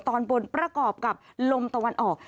ตอนบนประกอบกับลมตะวันออก